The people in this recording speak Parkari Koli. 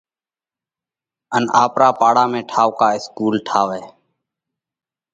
ان آپرا پاڙا ۾ ٺائُوڪا اِسڪُول ٺاوئہ۔